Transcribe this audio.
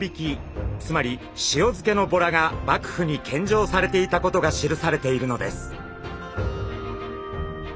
つまり塩づけのボラが幕府に献上されていたことが記されているのです。